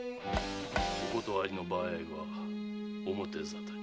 お断りの場合は表沙汰に。